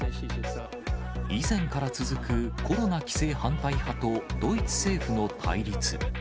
以前から続くコロナ規制反対派とドイツ政府の対立。